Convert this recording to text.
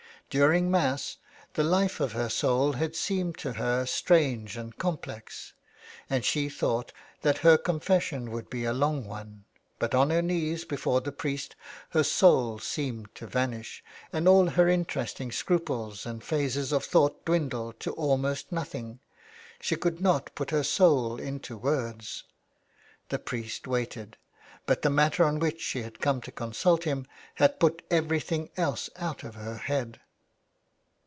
During Mass the life of her soul had seemed to her strange and complex, and she thought that her confes sion would be a long one ; but on her knees before the priest her soul seemed to vanish, and all her inter esting scruples and phases of thought dwindled to almost nothing — she could not put her soul into words. The priest waited, but the matter on which she had come to consult him had put everything else out of her head.